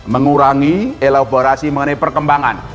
mengurangi elaborasi mengenai perkembangan